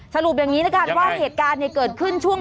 สรุปอย่างนี้แล้วกันว่าเหตุการณ์เกิดขึ้นช่วง